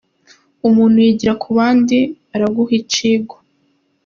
"Umuntu yigira ku bandi; baraguha icigwa.